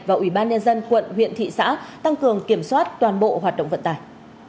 và ủy ban nhân dân quận huyện thị xã tăng cường kiểm soát toàn bộ hoạt động vận tải